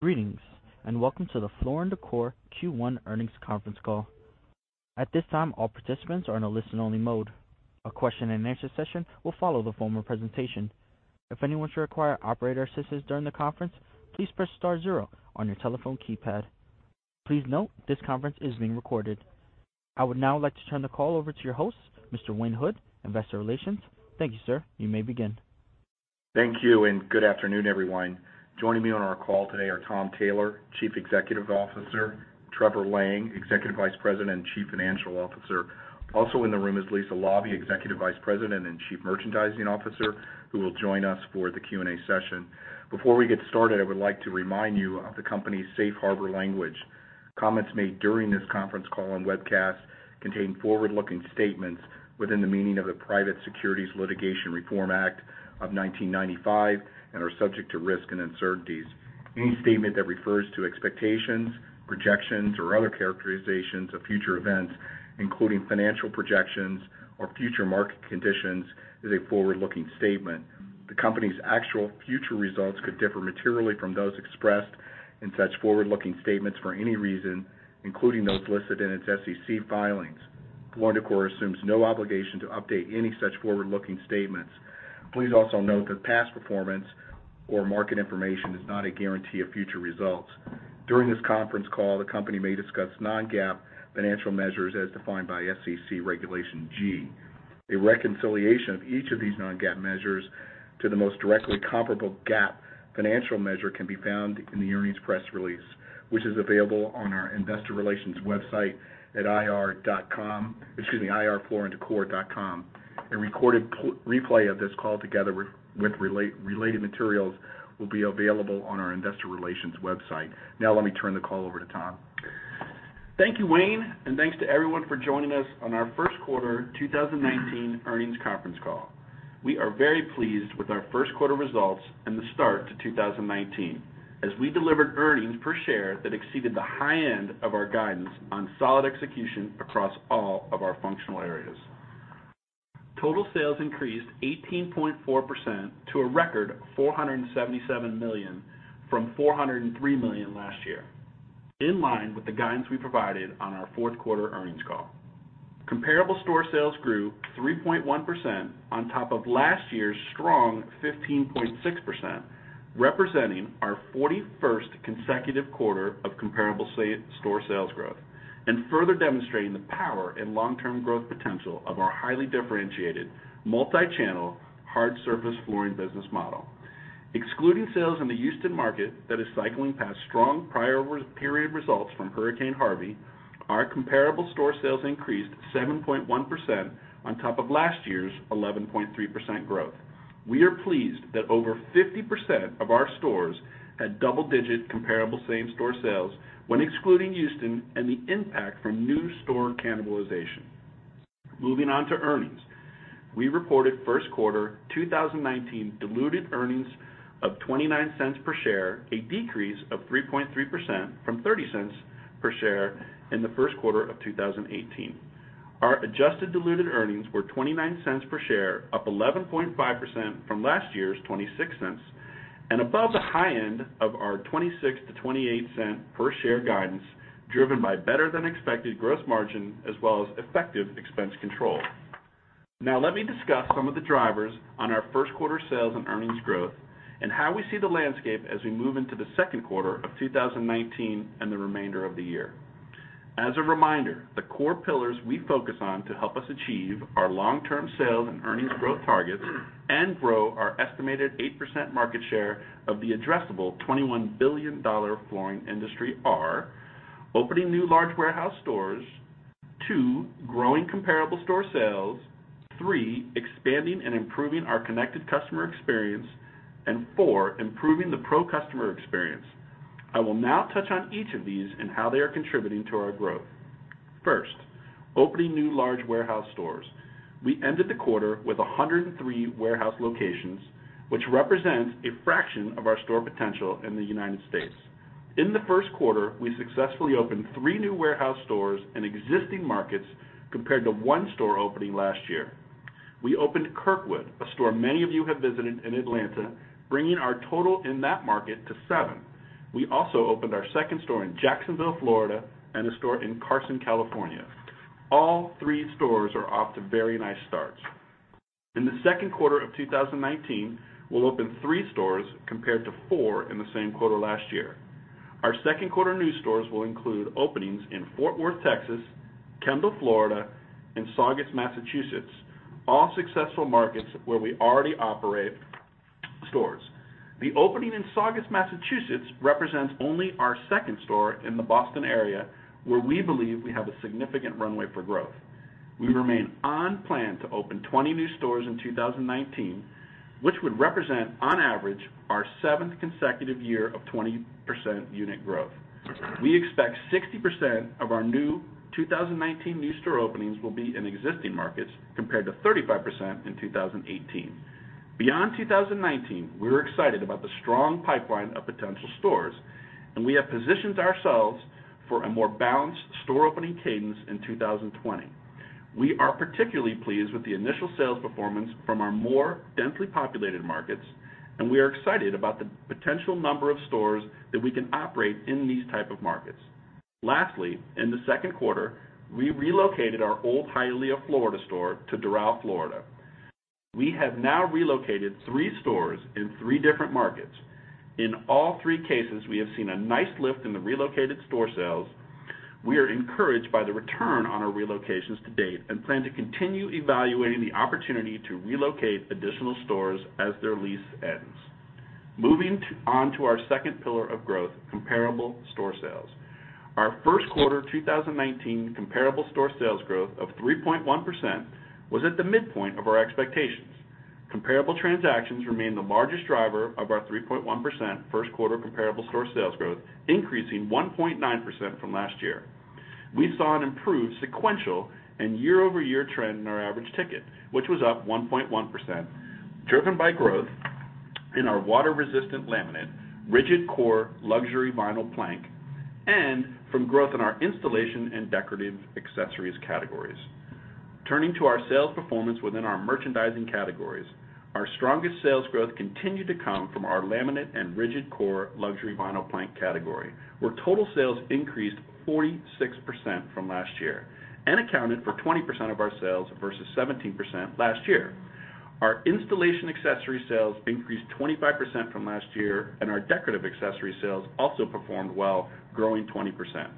Greetings. Welcome to the Floor & Decor Q1 earnings conference call. At this time, all participants are in a listen-only mode. A question-and-answer session will follow the formal presentation. If anyone should require operator assistance during the conference, please press star zero on your telephone keypad. Please note, this conference is being recorded. I would now like to turn the call over to your host, Mr. Wayne Hood, investor relations. Thank you, sir. You may begin. Thank you. Good afternoon, everyone. Joining me on our call today are Tom Taylor, Chief Executive Officer, Trevor Lang, Executive Vice President and Chief Financial Officer. Also in the room is Lisa Laube, Executive Vice President and Chief Merchandising Officer, who will join us for the Q&A session. Before we get started, I would like to remind you of the company's safe harbor language. Comments made during this conference call and webcast contain forward-looking statements within the meaning of the Private Securities Litigation Reform Act of 1995 and are subject to risk and uncertainties. Any statement that refers to expectations, projections, or other characterizations of future events, including financial projections or future market conditions, is a forward-looking statement. The company's actual future results could differ materially from those expressed in such forward-looking statements for any reason, including those listed in its SEC filings. Floor & Decor assumes no obligation to update any such forward-looking statements. Please also note that past performance or market information is not a guarantee of future results. During this conference call, the company may discuss non-GAAP financial measures as defined by SEC Regulation G. A reconciliation of each of these non-GAAP measures to the most directly comparable GAAP financial measure can be found in the earnings press release, which is available on our investor relations website at ir.flooranddecor.com. A recorded replay of this call, together with related materials, will be available on our investor relations website. Let me turn the call over to Tom. Thank you, Wayne. Thanks to everyone for joining us on our first quarter 2019 earnings conference call. We are very pleased with our first quarter results and the start to 2019, as we delivered earnings per share that exceeded the high end of our guidance on solid execution across all of our functional areas. Total sales increased 18.4% to a record $477 million from $403 million last year, in line with the guidance we provided on our fourth quarter earnings call. Comparable store sales grew 3.1% on top of last year's strong 15.6%, representing our 41st consecutive quarter of comparable store sales growth and further demonstrating the power and long-term growth potential of our highly differentiated, multi-channel, hard surface flooring business model. Excluding sales in the Houston market that is cycling past strong prior period results from Hurricane Harvey, our comparable store sales increased 7.1% on top of last year's 11.3% growth. We are pleased that over 50% of our stores had double-digit comparable same-store sales when excluding Houston and the impact from new store cannibalization. Moving on to earnings. We reported first quarter 2019 diluted earnings of $0.29 per share, a decrease of 3.3% from $0.30 per share in the first quarter of 2018. Our adjusted diluted earnings were $0.29 per share, up 11.5% from last year's $0.26, and above the high end of our $0.26-$0.28 per share guidance, driven by better-than-expected gross margin as well as effective expense control. Let me discuss some of the drivers on our first quarter sales and earnings growth and how we see the landscape as we move into the second quarter of 2019 and the remainder of the year. As a reminder, the core pillars we focus on to help us achieve our long-term sales and earnings growth targets and grow our estimated 8% market share of the addressable $21 billion flooring industry are 1, opening new large warehouse stores, 2, growing comparable store sales, 3, expanding and improving our connected customer experience, and 4, improving the pro customer experience. I will now touch on each of these and how they are contributing to our growth. 1, opening new large warehouse stores. We ended the quarter with 103 warehouse locations, which represents a fraction of our store potential in the U.S. In the first quarter, we successfully opened 3 new warehouse stores in existing markets compared to 1 store opening last year. We opened Kirkwood, a store many of you have visited in Atlanta, bringing our total in that market to 7. We also opened our 2nd store in Jacksonville, Florida, and a store in Carson, California. All 3 stores are off to very nice starts. In the second quarter of 2019, we'll open 3 stores compared to 4 in the same quarter last year. Our second quarter new stores will include openings in Fort Worth, Texas, Kendall, Florida, and Saugus, Massachusetts, all successful markets where we already operate stores. The opening in Saugus, Massachusetts, represents only our 2nd store in the Boston area, where we believe we have a significant runway for growth. We remain on plan to open 20 new stores in 2019, which would represent, on average, our 7th consecutive year of 20% unit growth. We expect 60% of our new 2019 new store openings will be in existing markets, compared to 35% in 2018. Beyond 2019, we're excited about the strong pipeline of potential stores, and we have positioned ourselves for a more balanced store opening cadence in 2020. We are particularly pleased with the initial sales performance from our more densely populated markets, and we are excited about the potential number of stores that we can operate in these type of markets. Lastly, in the second quarter, we relocated our old Hialeah, Florida store to Doral, Florida. We have now relocated 3 stores in 3 different markets. In all 3 cases, we have seen a nice lift in the relocated store sales. We are encouraged by the return on our relocations to date and plan to continue evaluating the opportunity to relocate additional stores as their lease ends. Moving on to our second pillar of growth, comparable store sales. Our first quarter 2019 comparable store sales growth of 3.1% was at the midpoint of our expectations. Comparable transactions remain the largest driver of our 3.1% first quarter comparable store sales growth, increasing 1.9% from last year. We saw an improved sequential and year-over-year trend in our average ticket, which was up 1.1%, driven by growth in our water-resistant laminate, rigid core luxury vinyl plank, and from growth in our installation and decorative accessories categories. Turning to our sales performance within our merchandising categories, our strongest sales growth continued to come from our laminate and rigid core luxury vinyl plank category, where total sales increased 46% from last year and accounted for 20% of our sales versus 17% last year. Our installation accessory sales increased 25% from last year, and our decorative accessory sales also performed well, growing 20%.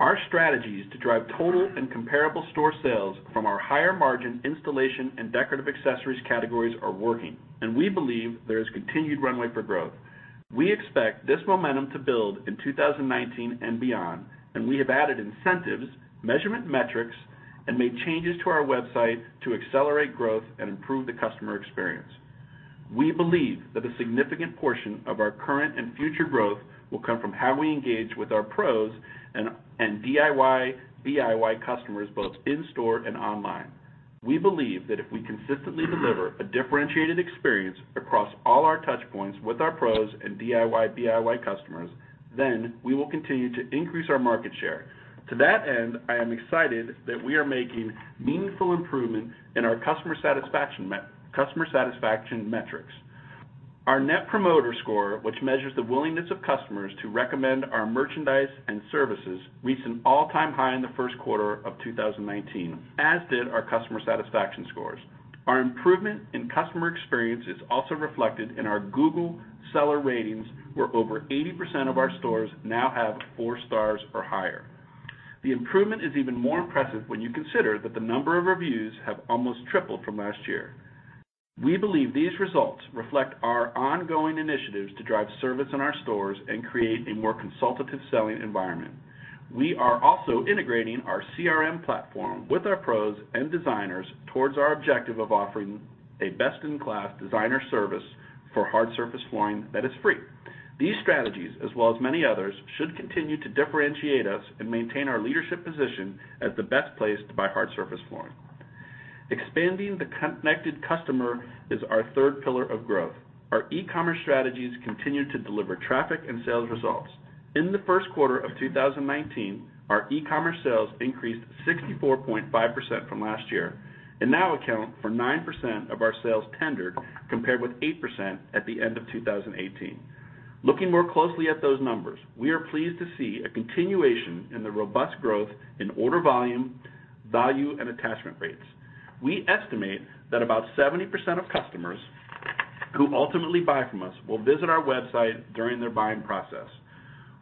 Our strategies to drive total and comparable store sales from our higher-margin installation and decorative accessories categories are working, and we believe there is continued runway for growth. We expect this momentum to build in 2019 and beyond, and we have added incentives, measurement metrics, and made changes to our website to accelerate growth and improve the customer experience. We believe that a significant portion of our current and future growth will come from how we engage with our pros and DIY/BIY customers, both in store and online. We believe that if we consistently deliver a differentiated experience across all our touchpoints with our pros and DIY/BIY customers, then we will continue to increase our market share. To that end, I am excited that we are making meaningful improvement in our customer satisfaction metrics. Our Net Promoter Score, which measures the willingness of customers to recommend our merchandise and services, reached an all-time high in the first quarter of 2019, as did our customer satisfaction scores. Our improvement in customer experience is also reflected in our Google seller ratings, where over 80% of our stores now have four stars or higher. The improvement is even more impressive when you consider that the number of reviews have almost tripled from last year. We believe these results reflect our ongoing initiatives to drive service in our stores and create a more consultative selling environment. We are also integrating our CRM platform with our pros and designers towards our objective of offering a best-in-class designer service for hard surface flooring that is free. These strategies, as well as many others, should continue to differentiate us and maintain our leadership position as the best place to buy hard surface flooring. Expanding the connected customer is our third pillar of growth. Our e-commerce strategies continue to deliver traffic and sales results. In the first quarter of 2019, our e-commerce sales increased 64.5% from last year and now account for 9% of our sales tendered, compared with 8% at the end of 2018. Looking more closely at those numbers, we are pleased to see a continuation in the robust growth in order volume, value, and attachment rates. We estimate that about 70% of customers who ultimately buy from us will visit our website during their buying process.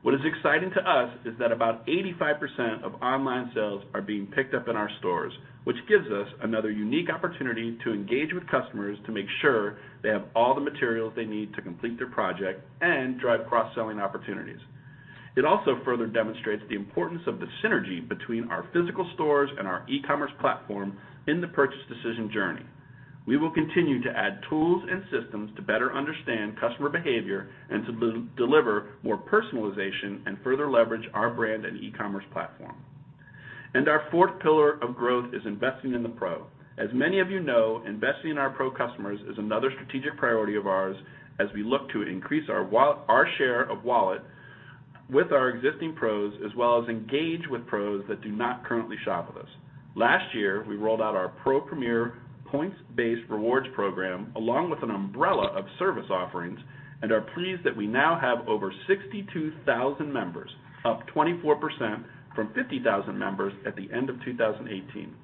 What is exciting to us is that about 85% of online sales are being picked up in our stores, which gives us another unique opportunity to engage with customers to make sure they have all the materials they need to complete their project and drive cross-selling opportunities. It also further demonstrates the importance of the synergy between our physical stores and our e-commerce platform in the purchase decision journey. We will continue to add tools and systems to better understand customer behavior and to deliver more personalization and further leverage our brand and e-commerce platform. Our fourth pillar of growth is investing in the Pro. As many of you know, investing in our Pro customers is another strategic priority of ours as we look to increase our share of wallet with our existing Pros, as well as engage with Pros that do not currently shop with us. Last year, we rolled out our Pro Premier points-based rewards program, along with an umbrella of service offerings, and are pleased that we now have over 62,000 members, up 24% from 50,000 members at the end of 2018.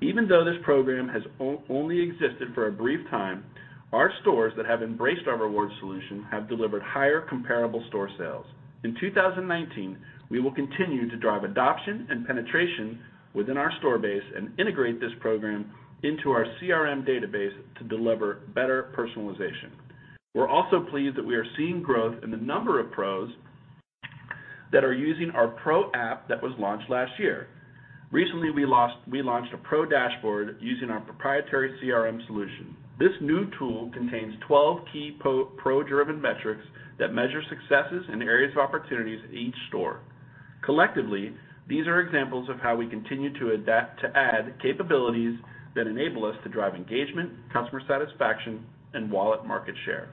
Even though this program has only existed for a brief time, our stores that have embraced our rewards solution have delivered higher comparable store sales. In 2019, we will continue to drive adoption and penetration within our store base and integrate this program into our CRM database to deliver better personalization. We're also pleased that we are seeing growth in the number of Pros that are using our Pro app that was launched last year. Recently, we launched a Pro dashboard using our proprietary CRM solution. This new tool contains 12 key Pro-driven metrics that measure successes and areas of opportunities at each store. Collectively, these are examples of how we continue to add capabilities that enable us to drive engagement, customer satisfaction, and wallet market share.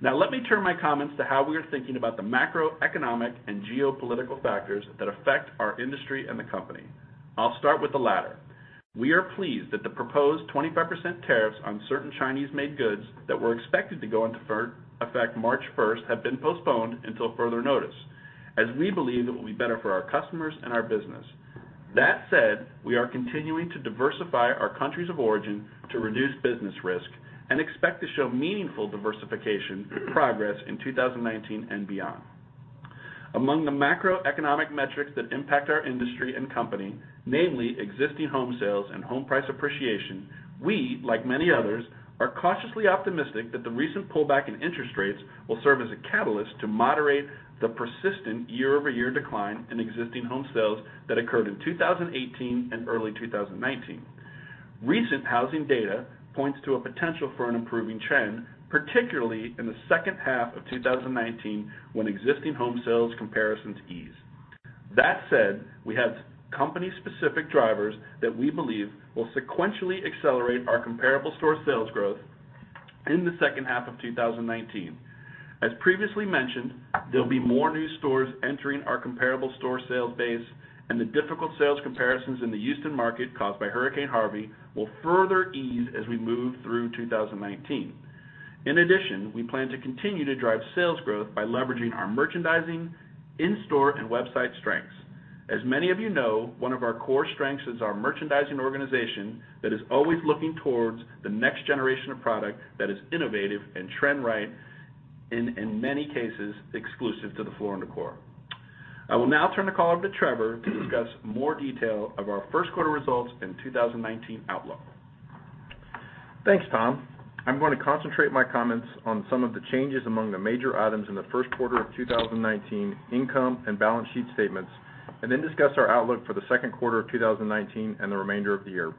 Now let me turn my comments to how we are thinking about the macroeconomic and geopolitical factors that affect our industry and the company. I'll start with the latter. We are pleased that the proposed 25% tariffs on certain Chinese-made goods that were expected to go into effect March 1st have been postponed until further notice, as we believe it will be better for our customers and our business. That said, we are continuing to diversify our countries of origin to reduce business risk and expect to show meaningful diversification progress in 2019 and beyond. Among the macroeconomic metrics that impact our industry and company, namely existing home sales and home price appreciation, we, like many others, are cautiously optimistic that the recent pullback in interest rates will serve as a catalyst to moderate the persistent year-over-year decline in existing home sales that occurred in 2018 and early 2019. Recent housing data points to a potential for an improving trend, particularly in the second half of 2019, when existing home sales comparisons ease. That said, we have company-specific drivers that we believe will sequentially accelerate our comparable store sales growth in the second half of 2019. As previously mentioned, there'll be more new stores entering our comparable store sales base. The difficult sales comparisons in the Houston market caused by Hurricane Harvey will further ease as we move through 2019. In addition, we plan to continue to drive sales growth by leveraging our merchandising, in-store, and website strengths. As many of you know, one of our core strengths is our merchandising organization that is always looking towards the next generation of product that is innovative and trend right, and in many cases, exclusive to Floor & Decor. I will now turn the call over to Trevor to discuss more detail of our first quarter results and 2019 outlook. Thanks, Tom. I'm going to concentrate my comments on some of the changes among the major items in the first quarter of 2019 income and balance sheet statements. Then discuss our outlook for the second quarter of 2019 and the remainder of the year.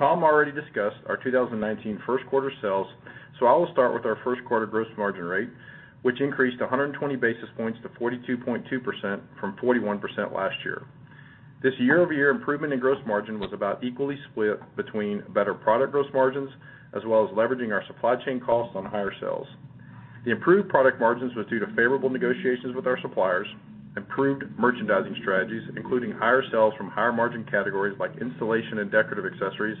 Tom already discussed our 2019 first quarter sales, so I will start with our first quarter gross margin rate, which increased 120 basis points to 42.2% from 41% last year. This year-over-year improvement in gross margin was about equally split between better product gross margins, as well as leveraging our supply chain costs on higher sales. The improved product margins was due to favorable negotiations with our suppliers, improved merchandising strategies, including higher sales from higher margin categories like installation and decorative accessories,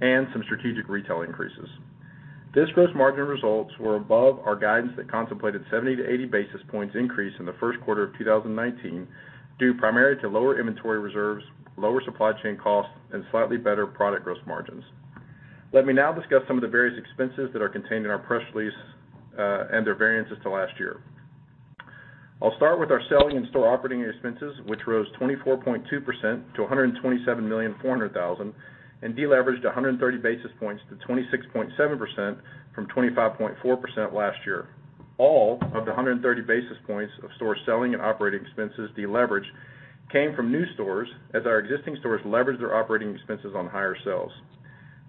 and some strategic retail increases. These gross margin results were above our guidance that contemplated 70 to 80 basis points increase in the first quarter of 2019, due primarily to lower inventory reserves, lower supply chain costs, and slightly better product gross margins. Let me now discuss some of the various expenses that are contained in our press release, and their variances to last year. I'll start with our selling and store operating expenses, which rose 24.2% to $127,400,000. Deleveraged 130 basis points to 26.7% from 25.4% last year. All of the 130 basis points of store selling and operating expenses deleverage came from new stores, as our existing stores leveraged their operating expenses on higher sales.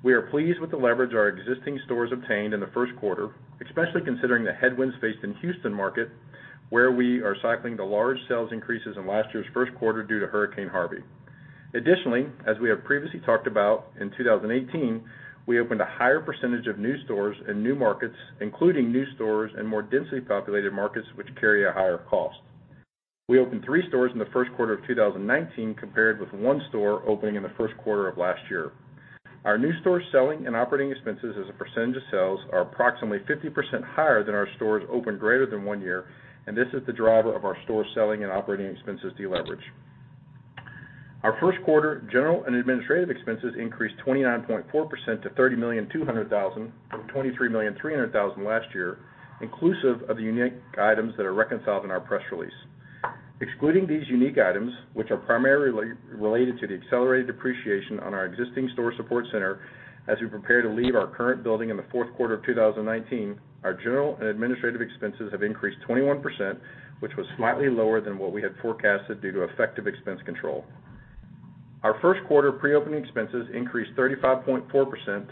We are pleased with the leverage our existing stores obtained in the first quarter, especially considering the headwinds faced in Houston market, where we are cycling the large sales increases in last year's first quarter due to Hurricane Harvey. Additionally, as we have previously talked about, in 2018, we opened a higher percentage of new stores in new markets, including new stores in more densely populated markets, which carry a higher cost. We opened three stores in the first quarter of 2019, compared with one store opening in the first quarter of last year. Our new store selling and operating expenses as a percentage of sales are approximately 50% higher than our stores opened greater than one year, and this is the driver of our store selling and operating expenses deleverage. Our first quarter general and administrative expenses increased 29.4% to $30,200,000 from $23,300,000 last year, inclusive of the unique items that are reconciled in our press release. Excluding these unique items, which are primarily related to the accelerated depreciation on our existing store support center as we prepare to leave our current building in the fourth quarter of 2019, our general and administrative expenses have increased 21%, which was slightly lower than what we had forecasted due to effective expense control. Our first quarter pre-opening expenses increased 35.4%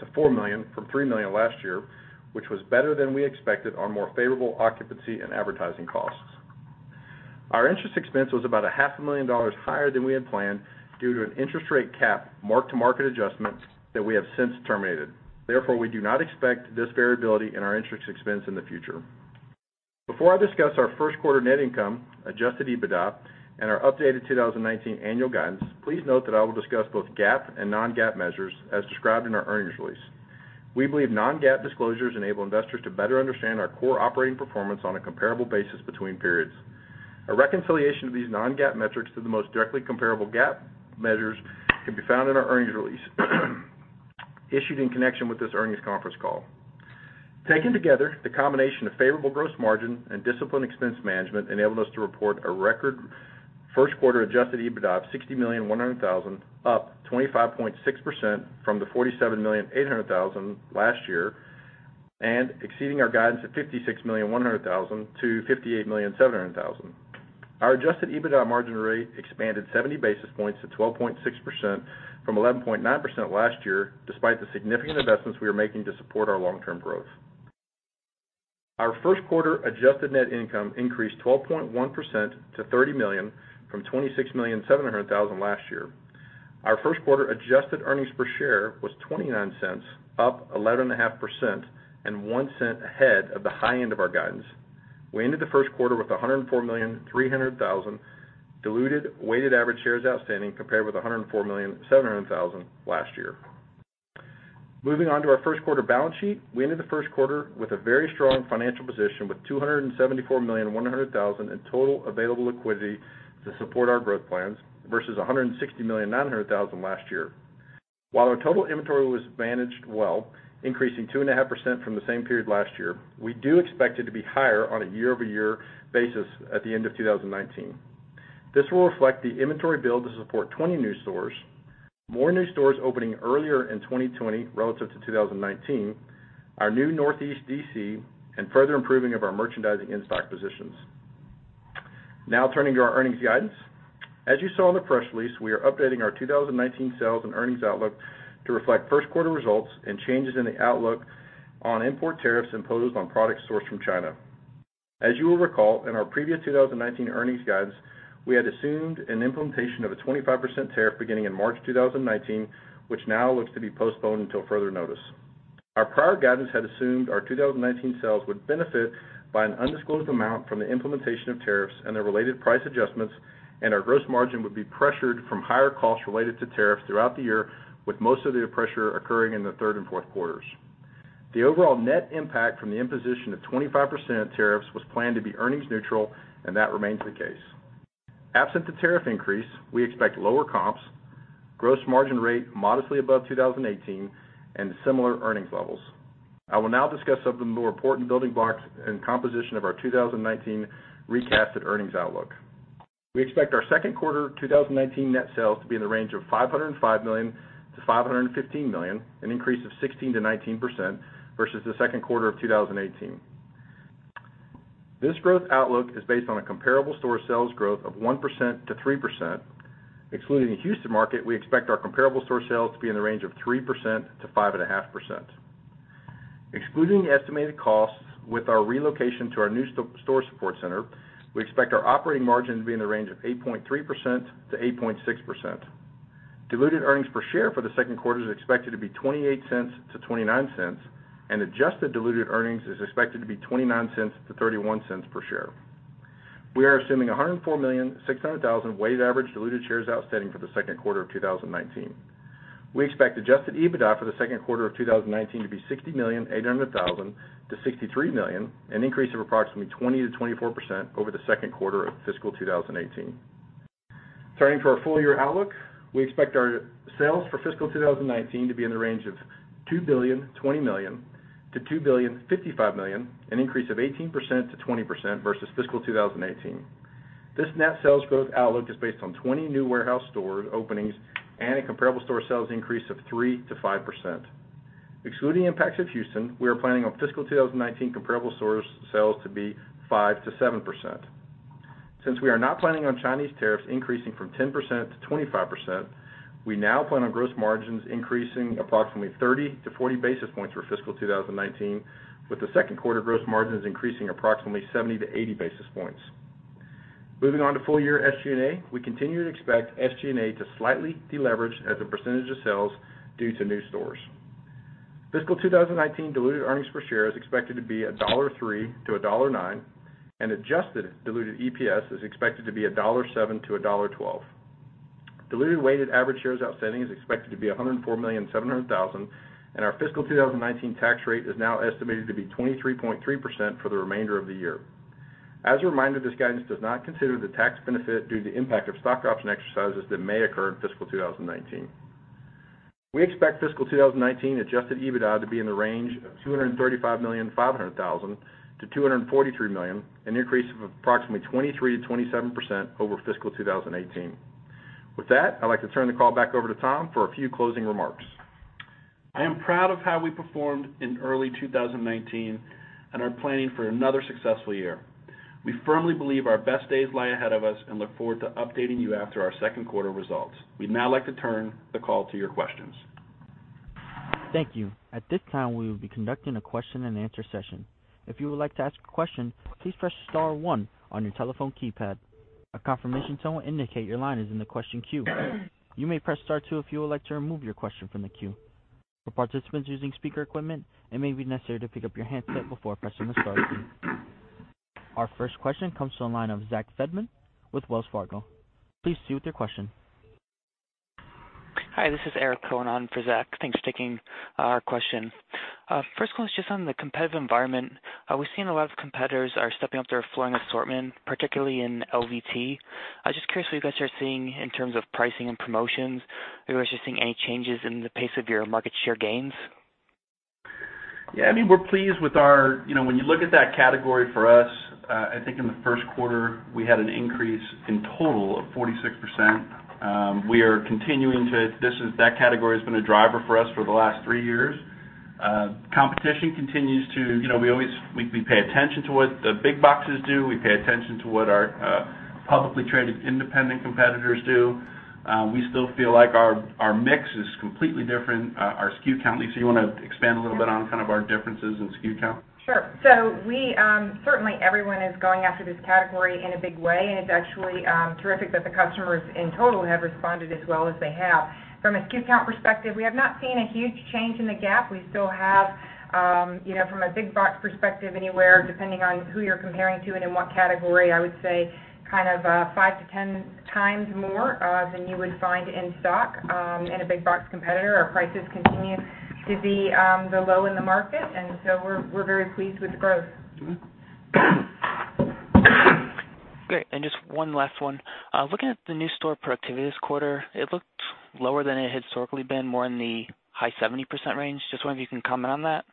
to $4 million from $3 million last year, which was better than we expected on more favorable occupancy and advertising costs. Our interest expense was about a half a million dollars higher than we had planned due to an interest rate cap mark-to-market adjustments that we have since terminated. We do not expect this variability in our interest expense in the future. Before I discuss our first quarter net income, adjusted EBITDA, and our updated 2019 annual guidance, please note that I will discuss both GAAP and non-GAAP measures as described in our earnings release. We believe non-GAAP disclosures enable investors to better understand our core operating performance on a comparable basis between periods. A reconciliation of these non-GAAP metrics to the most directly comparable GAAP measures can be found in our earnings release issued in connection with this earnings conference call. Taken together, the combination of favorable gross margin and disciplined expense management enabled us to report a record first quarter adjusted EBITDA of $60,100,000, up 25.6% from the $47,800,000 last year, and exceeding our guidance of $56,100,000 to $58,700,000. Our adjusted EBITDA margin rate expanded 70 basis points to 12.6% from 11.9% last year, despite the significant investments we are making to support our long-term growth. Our first quarter adjusted net income increased 12.1% to $30 million from $26,700,000 last year. Our first quarter adjusted earnings per share was $0.29, up 11.5% and $0.01 ahead of the high end of our guidance. We ended the first quarter with 104,300,000 diluted weighted average shares outstanding compared with 104,700,000 last year. Moving on to our first quarter balance sheet. We ended the first quarter with a very strong financial position with $274,100,000 in total available liquidity to support our growth plans versus $160,900,000 last year. While our total inventory was managed well, increasing 2.5% from the same period last year, we do expect it to be higher on a year-over-year basis at the end of 2019. This will reflect the inventory build to support 20 new stores, more new stores opening earlier in 2020 relative to 2019, our new Northeast D.C., and further improving of our merchandising in-stock positions. Turning to our earnings guidance. As you saw in the press release, we are updating our 2019 sales and earnings outlook to reflect first quarter results and changes in the outlook on import tariffs imposed on products sourced from China. As you will recall, in our previous 2019 earnings guidance, we had assumed an implementation of a 25% tariff beginning in March 2019, which now looks to be postponed until further notice. Our prior guidance had assumed our 2019 sales would benefit by an undisclosed amount from the implementation of tariffs and their related price adjustments. Our gross margin would be pressured from higher costs related to tariffs throughout the year, with most of the pressure occurring in the third and fourth quarters. The overall net impact from the imposition of 25% tariffs was planned to be earnings neutral. That remains the case. Absent the tariff increase, we expect lower comps, gross margin rate modestly above 2018, and similar earnings levels. I will now discuss some of the more important building blocks and composition of our 2019 recasted earnings outlook. We expect our second quarter 2019 net sales to be in the range of $505 million-$515 million, an increase of 16%-19% versus the second quarter of 2018. This growth outlook is based on a comparable store sales growth of 1%-3%. Excluding the Houston market, we expect our comparable store sales to be in the range of 3%-5.5%. Excluding the estimated costs with our relocation to our new store support center, we expect our operating margin to be in the range of 8.3%-8.6%. Diluted earnings per share for the second quarter is expected to be $0.28-$0.29. Adjusted diluted earnings is expected to be $0.29-$0.31 per share. We are assuming 104,600,000 weighted average diluted shares outstanding for the second quarter of 2019. We expect adjusted EBITDA for the second quarter of 2019 to be $60,800,000-$63,000,000, an increase of approximately 20%-24% over the second quarter of fiscal 2018. Turning to our full-year outlook, we expect our sales for fiscal 2019 to be in the range of $2,020,000,000-$2,055,000,000, an increase of 18%-20% versus fiscal 2018. This net sales growth outlook is based on 20 new warehouse store openings and a comparable store sales increase of 3%-5%. Excluding the impacts of Houston, we are planning on fiscal 2019 comparable store sales to be 5%-7%. Since we are not planning on Chinese tariffs increasing from 10%-25%, we now plan on gross margins increasing approximately 30-40 basis points for fiscal 2019, with the second quarter gross margins increasing approximately 70-80 basis points. Moving on to full-year SG&A, we continue to expect SG&A to slightly deleverage as a percentage of sales due to new stores. Fiscal 2019 diluted earnings per share is expected to be $1.03-$1.09. Adjusted diluted EPS is expected to be $1.07-$1.12. Diluted weighted average shares outstanding is expected to be 104,700,000. Our fiscal 2019 tax rate is now estimated to be 23.3% for the remainder of the year. As a reminder, this guidance does not consider the tax benefit due to the impact of stock option exercises that may occur in fiscal 2019. We expect fiscal 2019 adjusted EBITDA to be in the range of $235,500,000-$243,000,000, an increase of approximately 23%-27% over fiscal 2018. With that, I'd like to turn the call back over to Tom for a few closing remarks. I am proud of how we performed in early 2019 and are planning for another successful year. We firmly believe our best days lie ahead of us and look forward to updating you after our second quarter results. We'd now like to turn the call to your questions. Thank you. At this time, we will be conducting a question and answer session. If you would like to ask a question, please press star one on your telephone keypad. A confirmation tone will indicate your line is in the question queue. You may press star two if you would like to remove your question from the queue. For participants using speaker equipment, it may be necessary to pick up your handset before pressing the star key. Our first question comes from the line of Zack Fadem with Wells Fargo. Please proceed with your question. Hi, this is Eric Cohen on for Zack. Thanks for taking our question. First question is just on the competitive environment. We've seen a lot of competitors are stepping up their flooring assortment, particularly in LVT. I'm just curious what you guys are seeing in terms of pricing and promotions. Are you guys just seeing any changes in the pace of your market share gains? Yeah, when you look at that category for us, I think in the first quarter, we had an increase in total of 46%. That category has been a driver for us for the last three years. Competition continues. We pay attention to what the big boxes do. We pay attention to what our publicly-traded independent competitors do. We still feel like our mix is completely different, our SKU count. Lisa, you want to expand a little bit on our differences in SKU count? Certainly everyone is going after this category in a big way, and it's actually terrific that the customers in total have responded as well as they have. From a SKU count perspective, we have not seen a huge change in the gap. We still have, from a big box perspective, anywhere, depending on who you're comparing to and in what category, I would say five to 10 times more than you would find in stock in a big box competitor. Our prices continue to be the low in the market, we're very pleased with the growth. Great. Just one last one. Looking at the new store productivity this quarter, it looked lower than it had historically been, more in the high 70% range. Just wondering if you can comment on that.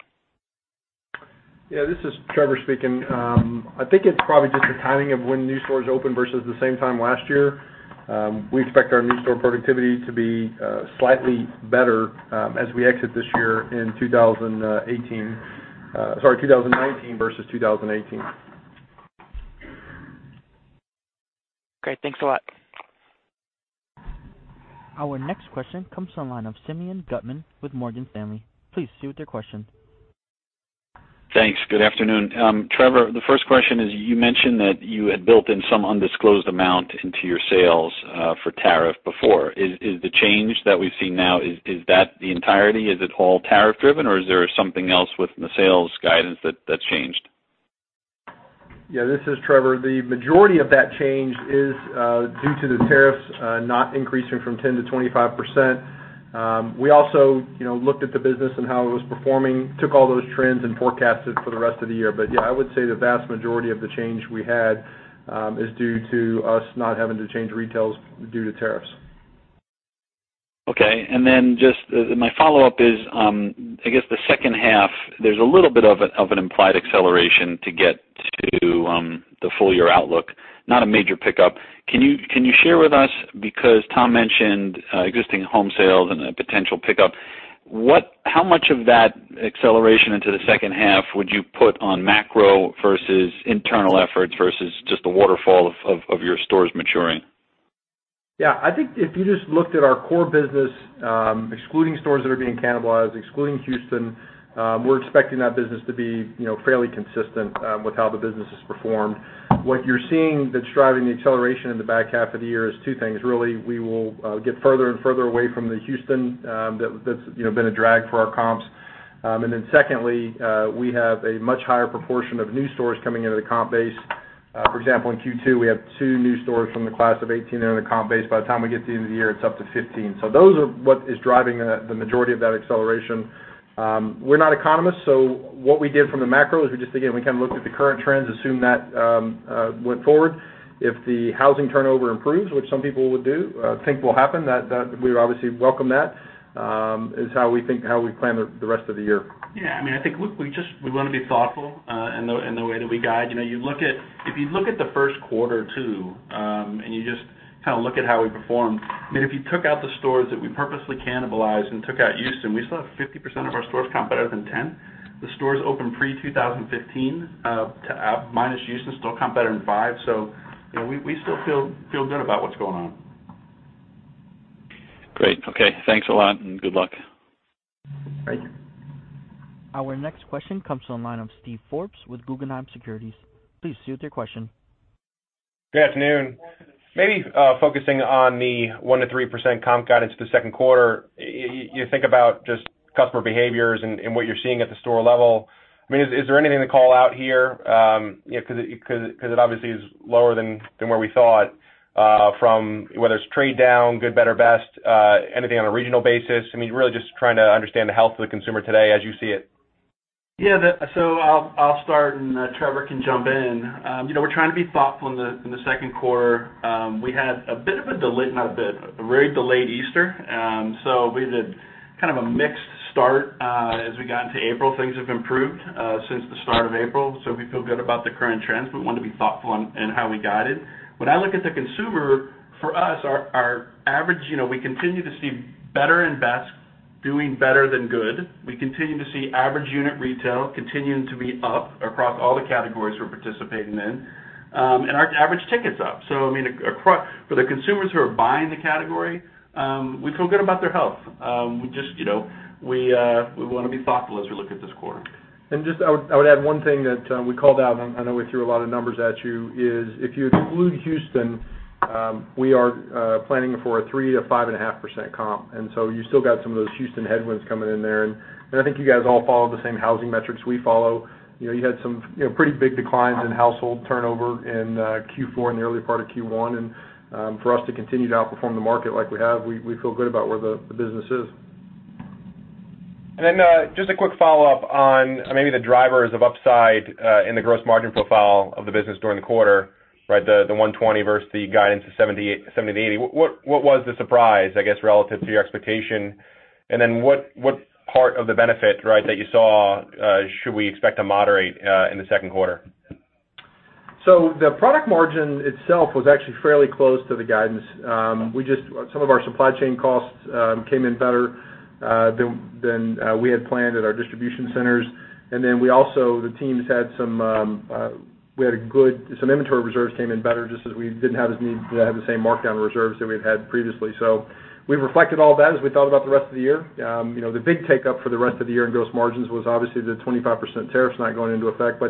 This is Trevor speaking. I think it's probably just the timing of when new stores open versus the same time last year. We expect our new store productivity to be slightly better as we exit this year in 2019 versus 2018. Great. Thanks a lot. Our next question comes from the line of Simeon Gutman with Morgan Stanley. Please proceed with your question. Thanks. Good afternoon. Trevor, the first question is, you mentioned that you had built in some undisclosed amount into your sales for tariff before. Is the change that we've seen now, is that the entirety? Is it all tariff-driven, or is there something else with the sales guidance that's changed? Yeah. This is Trevor. The majority of that change is due to the tariffs not increasing from 10% to 25%. We also looked at the business and how it was performing, took all those trends and forecasted for the rest of the year. Yeah, I would say the vast majority of the change we had is due to us not having to change retails due to tariffs. Okay. Then just my follow-up is, I guess the second half, there's a little bit of an implied acceleration to get to the full-year outlook, not a major pickup. Can you share with us, because Tom mentioned existing home sales and a potential pickup, how much of that acceleration into the second half would you put on macro versus internal efforts versus just the waterfall of your stores maturing? I think if you just looked at our core business, excluding stores that are being cannibalized, excluding Houston, we're expecting that business to be fairly consistent with how the business has performed. What you're seeing that's driving the acceleration in the back half of the year is two things, really. We will get further and further away from the Houston that's been a drag for our comps. Secondly, we have a much higher proportion of new stores coming into the comp base. For example, in Q2, we have two new stores from the class of '18 that are in the comp base. By the time we get to the end of the year, it's up to 15. Those are what is driving the majority of that acceleration. We're not economists, what we did from the macro is we just, we looked at the current trends, assume that went forward. If the housing turnover improves, which some people would do, think will happen, that we obviously welcome that, is how we plan the rest of the year. I think we want to be thoughtful in the way that we guide. If you look at the first quarter, too, and you just look at how we performed, if you took out the stores that we purposely cannibalized and took out Houston, we still have 50% of our stores comp better than 10. The stores opened pre-2015, minus Houston, still comp better than five. We still feel good about what's going on. Great. Okay. Thanks a lot, and good luck. Thank you. Our next question comes from the line of Steven Forbes with Guggenheim Securities. Please proceed with your question. Good afternoon. Maybe focusing on the 1%-3% comp guidance for the second quarter. You think about just customer behaviors and what you're seeing at the store level. Is there anything to call out here? It obviously is lower than where we thought from whether it's trade down, good, better, best, anything on a regional basis. Really just trying to understand the health of the consumer today as you see it. Yeah. I'll start and Trevor can jump in. We're trying to be thoughtful in the second quarter. We had a very delayed Easter. We had a mixed start. As we got into April, things have improved since the start of April, we feel good about the current trends. We want to be thoughtful in how we guide it. When I look at the consumer, for us, our average, we continue to see better and best doing better than good. We continue to see average unit retail continuing to be up across all the categories we're participating in. Our average ticket's up. For the consumers who are buying the category, we feel good about their health. We want to be thoughtful as we look at this quarter. Just, I would add one thing that we called out, I know we threw a lot of numbers at you, is if you exclude Houston, we are planning for a 3%-5.5% comp. You still got some of those Houston headwinds coming in there. I think you guys all follow the same housing metrics we follow. You had some pretty big declines in household turnover in Q4 and the early part of Q1, and for us to continue to outperform the market like we have, we feel good about where the business is. Just a quick follow-up on maybe the drivers of upside in the gross margin profile of the business during the quarter. The 120 versus the guidance of 70-80. What was the surprise, I guess, relative to your expectation? What part of the benefit that you saw should we expect to moderate in the second quarter? The product margin itself was actually fairly close to the guidance. Some of our supply chain costs came in better than we had planned at our distribution centers. Also, some inventory reserves came in better just as we didn't have the same markdown reserves that we'd had previously. We reflected all that as we thought about the rest of the year. The big take-up for the rest of the year in gross margins was obviously the 25% tariffs not going into effect.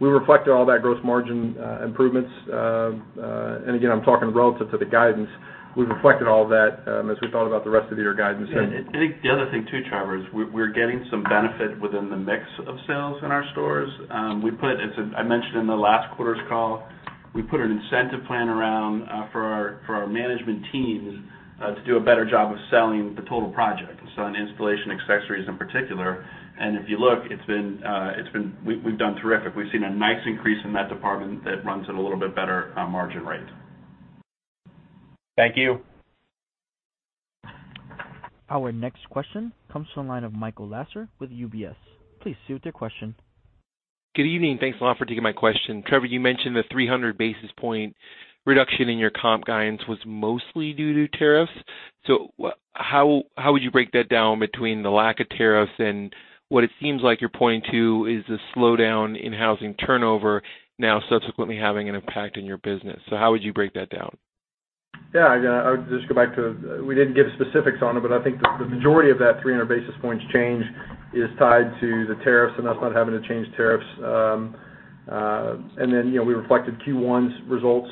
We reflected all that gross margin improvements. Again, I'm talking relative to the guidance. We've reflected all of that as we thought about the rest of the year guidance. Yeah, I think the other thing, too, Trevor, is we're getting some benefit within the mix of sales in our stores. As I mentioned in the last quarter's call, we put an incentive plan around for our management teams to do a better job of selling the total project, so on installation accessories in particular. If you look, we've done terrific. We've seen a nice increase in that department that runs at a little bit better margin rate. Thank you. Our next question comes from the line of Michael Lasser with UBS. Please proceed with your question. Good evening. Thanks a lot for taking my question. Trevor, you mentioned the 300 basis point reduction in your comp guidance was mostly due to tariffs. How would you break that down between the lack of tariffs and what it seems like you're pointing to is the slowdown in housing turnover now subsequently having an impact on your business. How would you break that down? Yeah, I would just go back to, we didn't give specifics on it, but I think the majority of that 300 basis points change is tied to the tariffs and us not having to change tariffs. We reflected Q1's results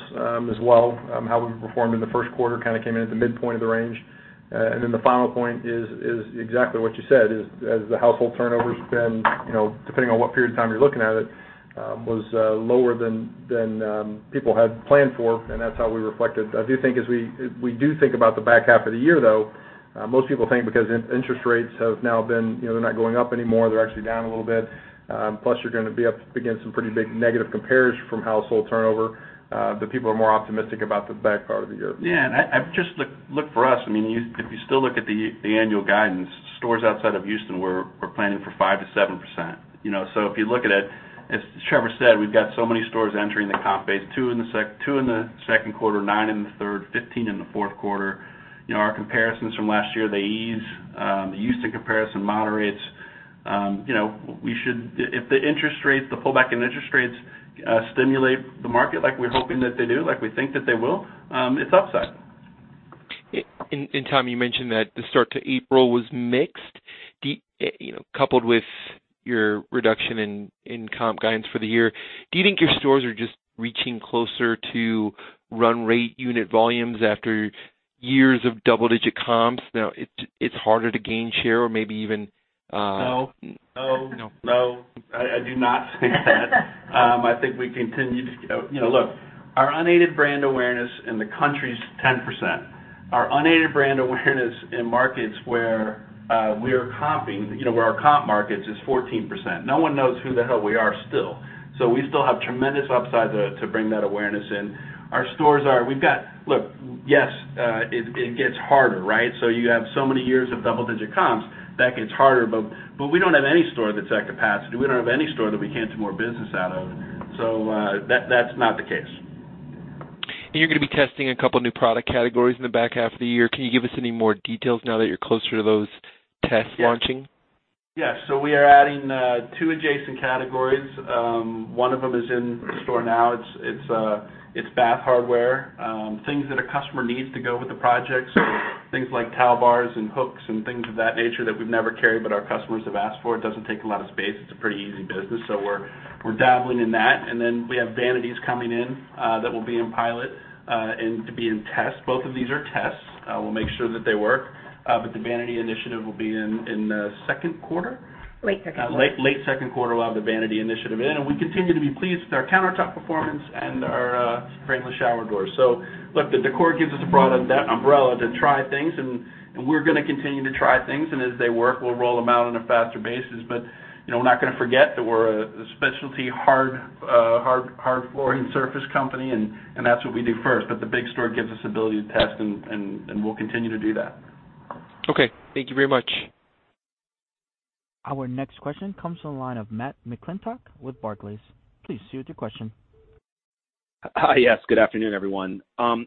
as well, how we performed in the first quarter came in at the midpoint of the range. The final point is exactly what you said, is as the household turnover has been, depending on what period of time you're looking at it, was lower than people had planned for, and that's how we reflected. As we do think about the back half of the year, though, most people think because interest rates have now been, they're not going up anymore, they're actually down a little bit. You're going to be up against some pretty big negative comparison from household turnover, that people are more optimistic about the back part of the year. Yeah, just look for us. If you still look at the annual guidance, stores outside of Houston, we're planning for 5%-7%. If you look at it, as Trevor said, we've got so many stores entering the comp base, two in the second quarter, nine in the third, 15 in the fourth quarter. Our comparisons from last year, they ease. The Houston comparison moderates. If the pull back in interest rates stimulate the market like we're hoping that they do, like we think that they will, it's upside. Tom, you mentioned that the start to April was mixed, coupled with your reduction in comp guidance for the year. Do you think your stores are just reaching closer to run rate unit volumes after years of double-digit comps, now it's harder to gain share or maybe even No. No? No, I do not think that. Look, our unaided brand awareness in the country is 10%. Our unaided brand awareness in markets where we are comping, where our comp market is 14%. No one knows who the hell we are still. We still have tremendous upside to bring that awareness in. Look, yes, it gets harder, right? You have so many years of double-digit comps, that gets harder, but we don't have any store that's at capacity. We don't have any store that we can't do more business out of. That's not the case. You're going to be testing a couple new product categories in the back half of the year. Can you give us any more details now that you're closer to those tests launching? Yes. We are adding two adjacent categories. One of them is in the store now. It's bath hardware. Things that a customer needs to go with the projects, so things like towel bars and hooks and things of that nature that we've never carried but our customers have asked for. It doesn't take a lot of space. It's a pretty easy business. We're dabbling in that. We have vanities coming in that will be in pilot and to be in test. Both of these are tests. We'll make sure that they work. The vanity initiative will be in the second quarter? Late second quarter. Late second quarter, we'll have the vanity initiative in. We continue to be pleased with our countertop performance and our frameless shower doors. Look, the decor gives us a broad umbrella to try things. We're going to continue to try things. As they work, we'll roll them out on a faster basis. We're not going to forget that we're a specialty hard flooring surface company, and that's what we do first. The big store gives us ability to test, and we'll continue to do that. Okay. Thank you very much. Our next question comes from the line of Matt McClintock with Barclays. Please proceed with your question. Hi, yes. Good afternoon, everyone. Tom,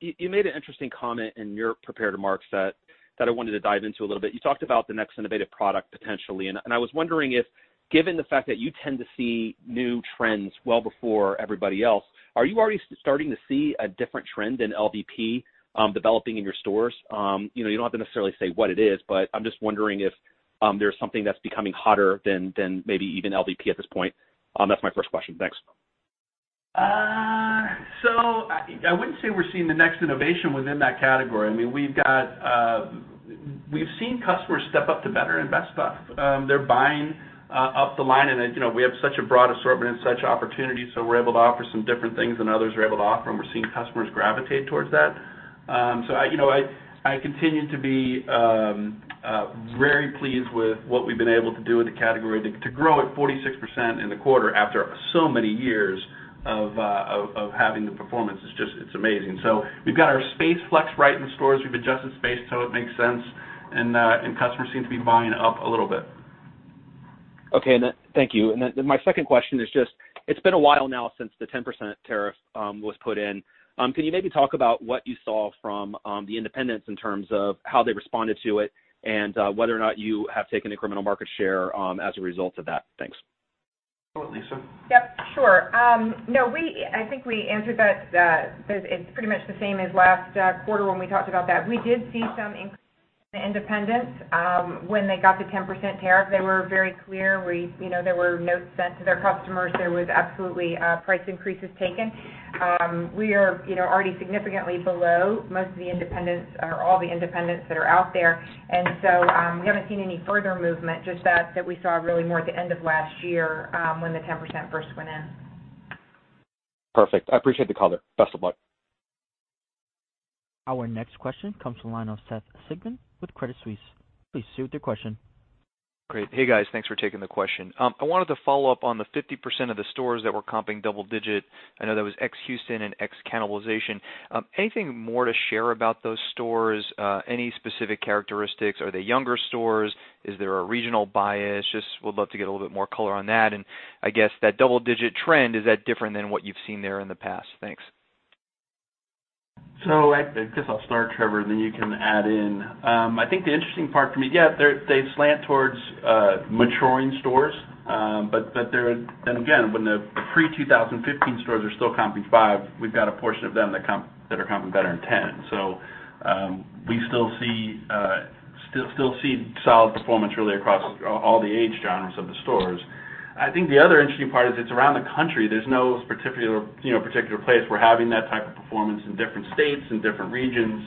you made an interesting comment in your prepared remarks that I wanted to dive into a little bit. You talked about the next innovative product potentially, and I was wondering if, given the fact that you tend to see new trends well before everybody else, are you already starting to see a different trend in LVP developing in your stores? You do not have to necessarily say what it is, but I am just wondering if there is something that is becoming hotter than maybe even LVP at this point. That is my first question. Thanks. I wouldn't say we are seeing the next innovation within that category. We have seen customers step up to better and best buy. They are buying up the line, and we have such a broad assortment and such opportunities, so we are able to offer some different things than others are able to offer, and we are seeing customers gravitate towards that. I continue to be very pleased with what we have been able to do with the category. To grow at 46% in the quarter after so many years of having the performance is just amazing. We have got our space flex right in stores. We have adjusted space so it makes sense, and customers seem to be buying up a little bit. Okay. Thank you. My second question is just, it's been a while now since the 10% tariff was put in. Can you maybe talk about what you saw from the independents in terms of how they responded to it and whether or not you have taken incremental market share as a result of that? Thanks. Go ahead, Lisa. Yep, sure. I think we answered that, it's pretty much the same as last quarter when we talked about that. We did see some increase in independents. When they got the 10% tariff, they were very clear. There were notes sent to their customers. There was absolutely price increases taken. We are already significantly below most of the independents or all the independents that are out there. We haven't seen any further movement, just that we saw really more at the end of last year when the 10% first went in. Perfect. I appreciate the color. Best of luck. Our next question comes from the line of Seth Sigman with Credit Suisse. Please proceed with your question. Great. Hey, guys. Thanks for taking the question. I wanted to follow up on the 50% of the stores that were comping double-digit. I know that was ex Houston and ex cannibalization. Anything more to share about those stores? Any specific characteristics? Are they younger stores? Is there a regional bias? Just would love to get a little bit more color on that, and I guess that double-digit trend, is that different than what you've seen there in the past? Thanks. I guess I'll start, Trevor, then you can add in. I think the interesting part for me, yeah, they slant towards maturing stores. Then again, when the pre-2015 stores are still comping five, we've got a portion of them that are comping better than 10. We still see solid performance really across all the age genres of the stores. I think the other interesting part is it's around the country. There's no particular place. We're having that type of performance in different states and different regions.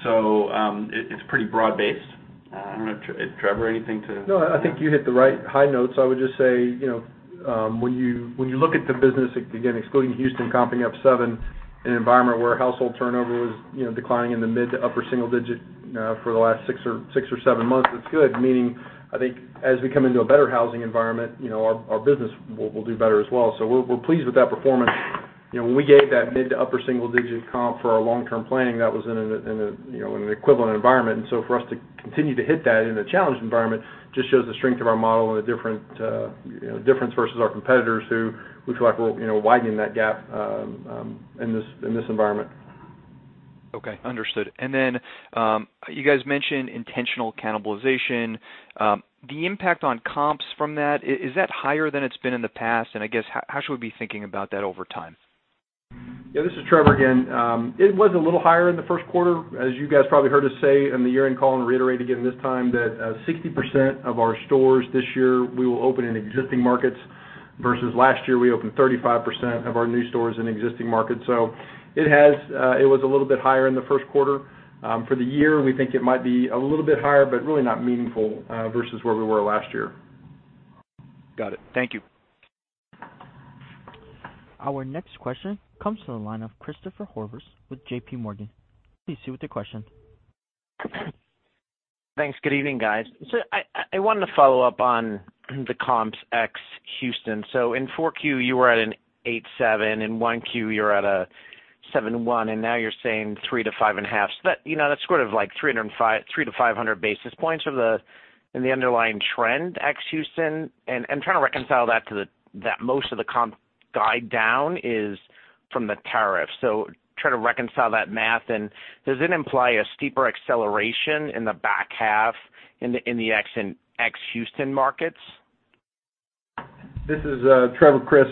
It's pretty broad-based. I don't know, Trevor, anything to- No, I think you hit the right high notes. I would just say, when you look at the business, again, excluding Houston comping up seven, in an environment where household turnover was declining in the mid to upper single digit for the last six or seven months, that's good. Meaning, I think as we come into a better housing environment, our business will do better as well. We're pleased with that performance. When we gave that mid to upper single digit comp for our long-term planning, that was in an equivalent environment. For us to continue to hit that in a challenged environment just shows the strength of our model and the difference versus our competitors who we feel like we're widening that gap in this environment. Okay. Understood. Then, you guys mentioned intentional cannibalization. The impact on comps from that, is that higher than it's been in the past? I guess, how should we be thinking about that over time? Yeah, this is Trevor again. It was a little higher in the first quarter, as you guys probably heard us say in the year-end call, and reiterated again this time, that 60% of our stores this year we will open in existing markets, versus last year we opened 35% of our new stores in existing markets. It was a little bit higher in the first quarter. For the year, we think it might be a little bit higher, but really not meaningful, versus where we were last year. Got it. Thank you. Our next question comes from the line of Christopher Horvers with J.P. Morgan. Please proceed with your question. Thanks. Good evening, guys. I wanted to follow up on the comps ex Houston. In Q4, you were at an 8.7, in Q1, you were at a 7.1, and now you're saying 3 to 5.5. That's sort of like 300 to 500 basis points in the underlying trend ex Houston. I'm trying to reconcile that to that most of the comp guide down is from the tariff. Trying to reconcile that math, and does it imply a steeper acceleration in the back half in the ex Houston markets? This is Trevor, Chris.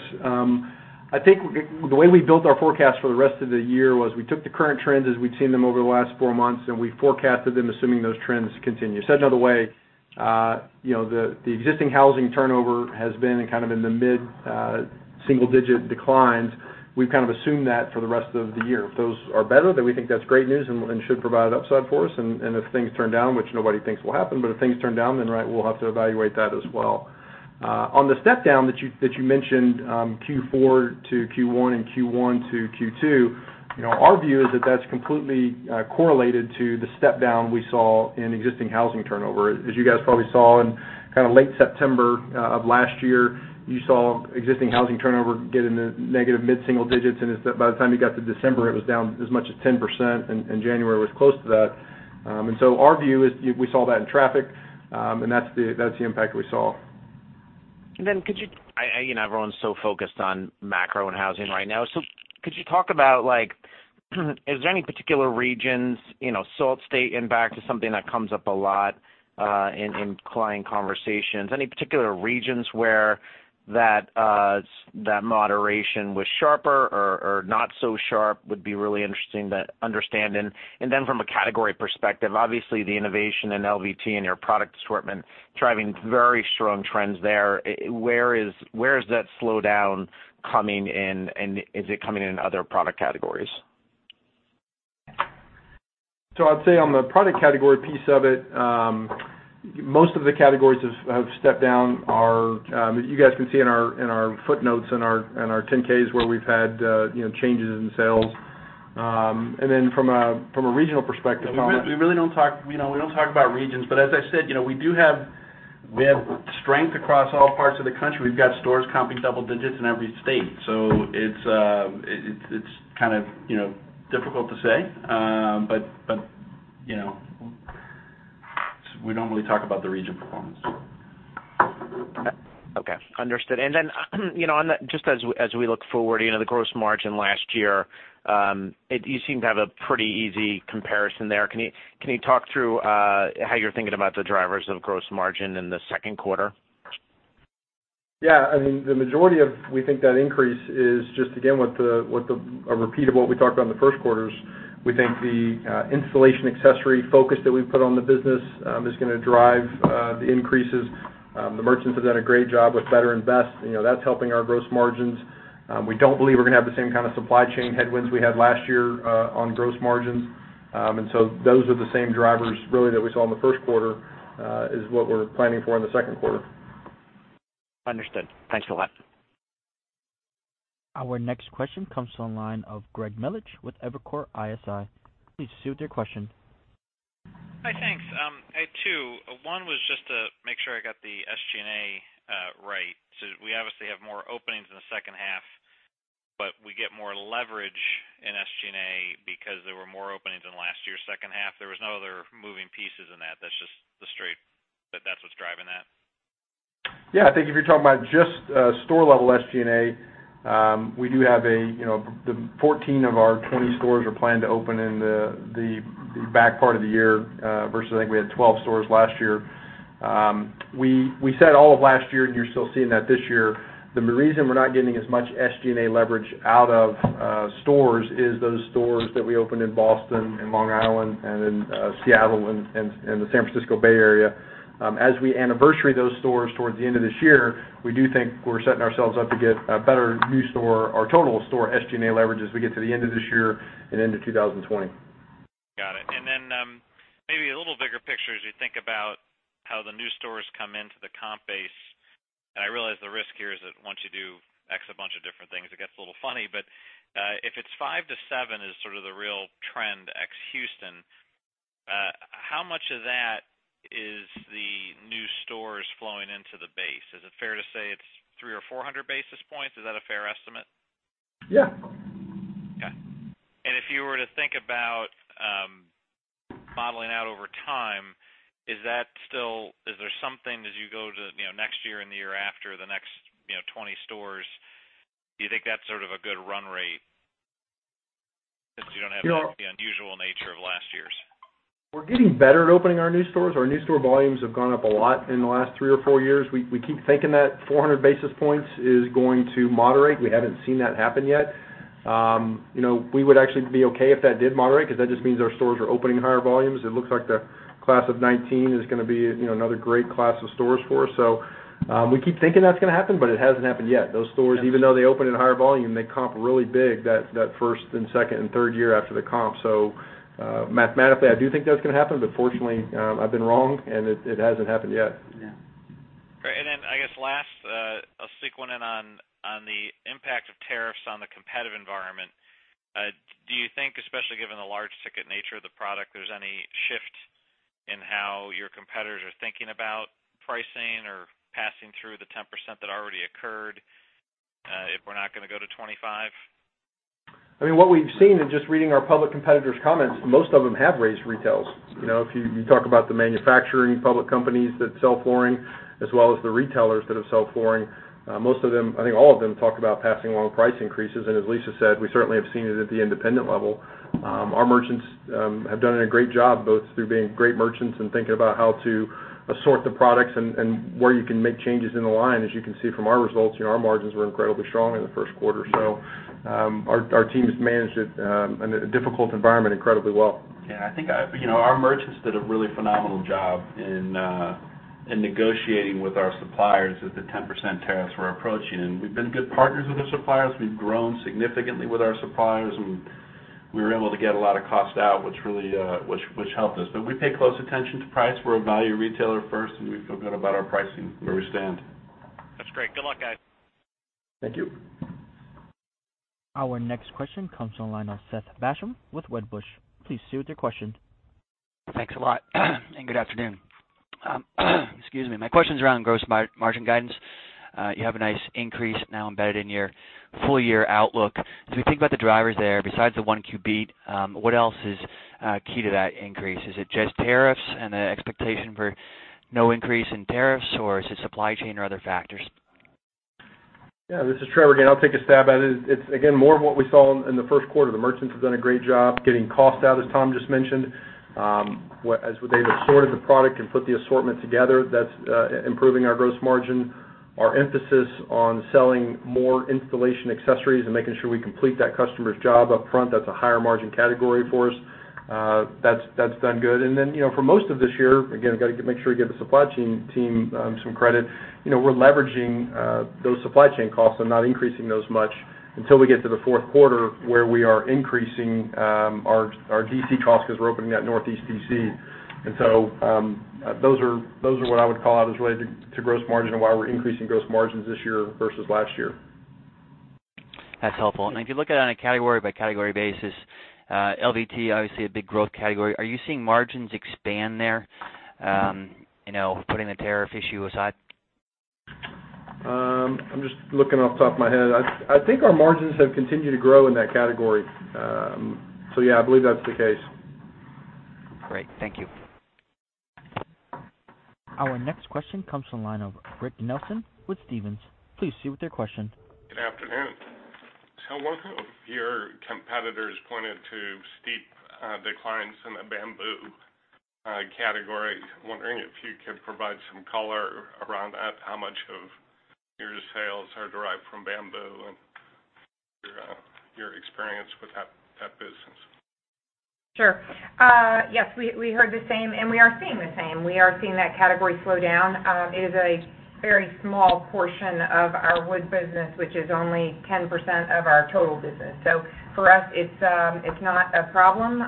The way we built our forecast for the rest of the year was we took the current trends as we'd seen them over the last four months, and we forecasted them assuming those trends continue. Said another way, the existing housing turnover has been kind of in the mid-single-digit declines. We've kind of assumed that for the rest of the year. If those are better, then we think that's great news and should provide upside for us. If things turn down, which nobody thinks will happen, but if things turn down, then we'll have to evaluate that as well. On the step down that you mentioned, Q4 to Q1 and Q1 to Q2, our view is that that's completely correlated to the step down we saw in existing housing turnover. As you guys probably saw in kind of late September of last year, you saw existing housing turnover get into negative mid-single digits, and by the time you got to December, it was down as much as 10%, and January was close to that. Our view is we saw that in traffic, and that's the impact we saw. Could you Everyone's so focused on macro and housing right now, could you talk about, like, is there any particular regions, SALT state impact is something that comes up a lot in client conversations. Any particular regions where that moderation was sharper or not so sharp would be really interesting to understand. From a category perspective, obviously the innovation in LVT and your product assortment driving very strong trends there. Where is that slowdown coming in, and is it coming in other product categories? I'd say on the product category piece of it, most of the categories have stepped down are, you guys can see in our footnotes in our 10-Ks where we've had changes in sales. from a regional perspective We don't talk about regions, as I said, we have strength across all parts of the country. We've got stores comping double digits in every state. It's kind of difficult to say. We don't really talk about the region performance. Okay, understood. just as we look forward, the gross margin last year, you seem to have a pretty easy comparison there. Can you talk through how you're thinking about the drivers of gross margin in the second quarter? Yeah. We think that increase is just, again, a repeat of what we talked about in the first quarters. We think the installation accessory focus that we've put on the business is going to drive the increases. The merchants have done a great job with better inventory. That's helping our gross margins. We don't believe we're going to have the same kind of supply chain headwinds we had last year on gross margins. Those are the same drivers, really, that we saw in the first quarter, is what we're planning for in the second quarter. Understood. Thanks a lot. Our next question comes to the line of Greg Melich with Evercore ISI. Please proceed with your question. Hi, thanks. I had two. One was just to make sure I got the SG&A right. We obviously have more openings in the second half, but we get more leverage in SG&A because there were more openings in last year's second half. There was no other moving pieces in that's just straight that's what's driving that? Yeah, I think if you're talking about just store-level SG&A, we do have 14 of our 20 stores are planned to open in the back part of the year, versus I think we had 12 stores last year. We said all of last year, and you're still seeing that this year, the reason we're not getting as much SG&A leverage out of stores is those stores that we opened in Boston and Long Island and in Seattle and the San Francisco Bay Area. As we anniversary those stores towards the end of this year, we do think we're setting ourselves up to get a better new store or total store SG&A leverage as we get to the end of this year and into 2020. Got it. Then, maybe a little bigger picture as we think about how the new stores come into the comp base, and I realize the risk here is that once you do X, a bunch of different things, it gets a little funny. If it's five to seven is sort of the real trend, ex Houston, how much of that is the new stores flowing into the base? Is it fair to say it's 300 or 400 basis points? Is that a fair estimate? Yeah. Okay. If you were to think about modeling out over time, is there something as you go to next year and the year after, the next 20 stores, do you think that's sort of a good run rate since you don't have the unusual nature of last year's? We're getting better at opening our new stores. Our new store volumes have gone up a lot in the last three or four years. We keep thinking that 400 basis points is going to moderate. We haven't seen that happen yet. We would actually be okay if that did moderate, because that just means our stores are opening higher volumes. It looks like the Class of '19 is going to be another great class of stores for us. We keep thinking that's going to happen, but it hasn't happened yet. Those stores, even though they open at higher volume, they comp really big that first and second and third year after the comp. Mathematically, I do think that's going to happen, but fortunately, I've been wrong, and it hasn't happened yet. Yeah. Great. Then, I guess last, I'll sequence in on the impact of tariffs on the competitive environment. Do you think, especially given the large ticket nature of the product, there's any shift in how your competitors are thinking about pricing or passing through the 10% that already occurred, if we're not going to go to 25%? What we've seen in just reading our public competitors' comments, most of them have raised retails. If you talk about the manufacturing public companies that sell flooring as well as the retailers that have sell flooring, most of them, I think all of them, talk about passing along price increases. As Lisa said, we certainly have seen it at the independent level. Our merchants have done a great job, both through being great merchants and thinking about how to assort the products and where you can make changes in the line. As you can see from our results, our margins were incredibly strong in the first quarter. Our teams managed it in a difficult environment incredibly well. Yeah, I think our merchants did a really phenomenal job in negotiating with our suppliers that the 10% tariffs were approaching. We've been good partners with our suppliers. We've grown significantly with our suppliers, and we were able to get a lot of cost out, which helped us. We pay close attention to price. We're a value retailer first, and we feel good about our pricing where we stand. That's great. Good luck, guys. Thank you. Our next question comes on the line of Seth Basham with Wedbush. Please proceed with your question. Thanks a lot and good afternoon. Excuse me. My question's around gross margin guidance. You have a nice increase now embedded in your full-year outlook. As we think about the drivers there, besides the 1Q beat, what else is key to that increase? Is it just tariffs and the expectation for no increase in tariffs, or is it supply chain or other factors? This is Trevor again. I'll take a stab at it. It's, again, more of what we saw in the first quarter. The merchants have done a great job getting cost out, as Tom just mentioned. As they've assorted the product and put the assortment together, that's improving our gross margin. Our emphasis on selling more installation accessories and making sure we complete that customer's job up front, that's a higher margin category for us. That's done good. Then, for most of this year, again, we've got to make sure we give the supply chain team some credit. We're leveraging those supply chain costs and not increasing those much until we get to the fourth quarter, where we are increasing our DC cost because we're opening that Northeast DC. Those are what I would call out as related to gross margin and why we're increasing gross margins this year versus last year. That's helpful. If you look at it on a category by category basis, LVT, obviously a big growth category, are you seeing margins expand there? Putting the tariff issue aside. I'm just looking off the top of my head. I think our margins have continued to grow in that category. Yeah, I believe that's the case. Great. Thank you. Our next question comes from the line of Rick Nelson with Stephens. Please proceed with your question. Good afternoon. One of your competitors pointed to steep declines in the bamboo category. Wondering if you could provide some color around that, how much of your sales are derived from bamboo, and your experience with that business. Sure. Yes, we heard the same and we are seeing the same. We are seeing that category slow down. It is a very small portion of our wood business, which is only 10% of our total business. For us, it's not a problem.